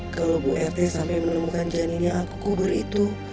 kalau bu yartek sampai menemukan janin yang aku kubur itu